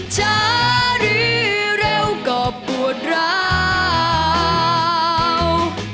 ช้าหรือเร็วก็ปวดร้าว